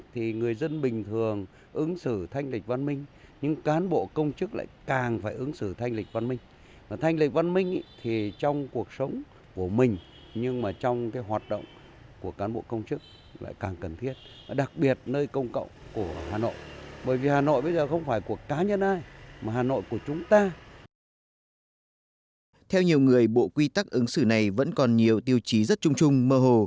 theo nhiều người bộ quy tắc ứng xử này vẫn còn nhiều tiêu chí rất trung trung mơ hồ